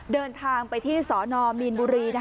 เดินทางไปที่สนมีนบุรี